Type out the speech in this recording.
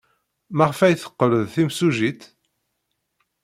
Maɣef ay teqqel d timsujjit?